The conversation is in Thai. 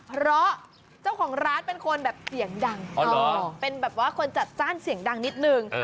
เพราะเจ้าของร้านเป็นคนแบบเสียงดังเป็นแบบว่าคนจัดจ้านเสียงดังนิดนึง